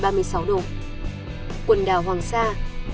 quần đảo hoàng sa không mưa tầm một trăm sáu mươi năm độ